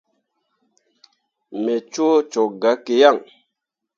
Me coo cok gah ke yan.